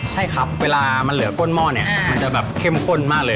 ใช่ครับเวลามันเหลือก้นหม้อเนี่ยมันจะแบบเข้มข้นมากเลย